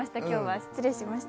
失礼しました。